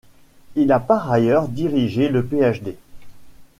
Il a par ailleurs dirigé le Ph.D.